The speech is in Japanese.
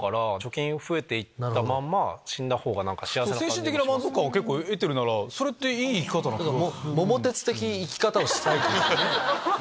精神的な満足感を得てるならそれっていい生き方な気がする。